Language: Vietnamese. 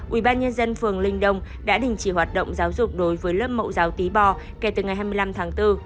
ubnd phường linh đông đã đình chỉ hoạt động giáo dục đối với lớp mẫu giáo tí bo kể từ ngày hai mươi năm tháng bốn